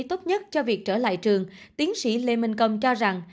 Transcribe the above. tâm lý tốt nhất cho việc trở lại trường tiến sĩ lê minh công cho rằng